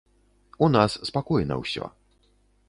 У нас спакойна ўсё.